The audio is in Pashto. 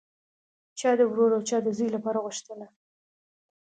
چا د ورور او چا د زوی لپاره غوښتله